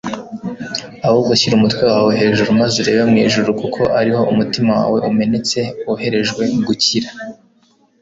ahubwo shyira umutwe wawe hejuru maze urebe mu ijuru kuko ariho umutima wawe umenetse woherejwe gukira